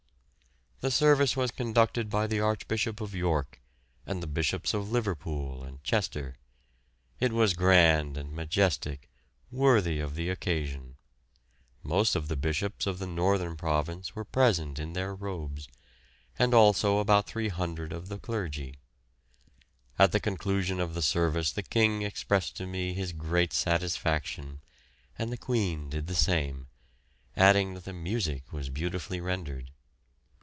The service was conducted by the Archbishop of York and the Bishops of Liverpool and Chester. It was grand and majestic, worthy of the occasion. Most of the bishops of the northern province were present in their robes, and also about 300 of the clergy. At the conclusion of the service the King expressed to me his great satisfaction, and the Queen did the same, adding that the music was beautifully rendered.